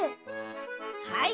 はい。